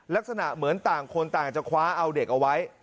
ลักษณะเหมือนต่างคนต่างจะคว้าเอาเด็กเอาไว้